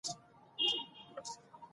زمرد د افغانستان د طبیعي پدیدو یو رنګ دی.